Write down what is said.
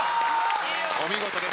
お見事です。